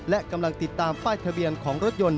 และกำลังติดตามป้ายทะเบียนของรถยนต์